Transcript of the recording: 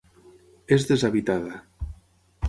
És deshabitada.